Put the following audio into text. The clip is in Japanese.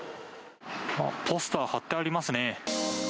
ポスター貼ってありますね。